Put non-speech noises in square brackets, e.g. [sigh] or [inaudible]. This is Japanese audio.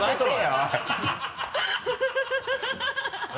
ハハハ [laughs]